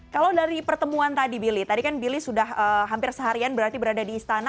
kalau dari pertemuan tadi billy tadi kan billy sudah hampir seharian berarti berada di istana